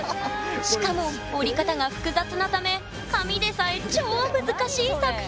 しかも折り方が複雑なため紙でさえ超難しい作品！